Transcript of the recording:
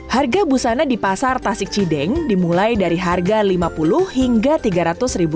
harga busana di pasar tasik cideng dimulai dari harga rp lima puluh hingga rp tiga ratus